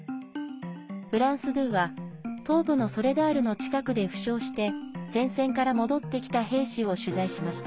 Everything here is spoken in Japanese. フランス２は、東部のソレダールの近くで負傷して戦線から戻ってきた兵士を取材しました。